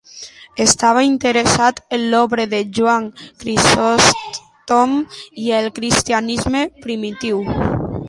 Estava interessat en l'obra de Joan Crisòstom i el cristianisme primitiu.